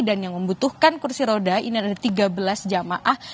dan yang membutuhkan kursi roda ini ada tiga belas jamaah